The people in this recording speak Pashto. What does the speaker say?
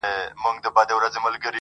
ته لېونۍ خو نه یې؟٫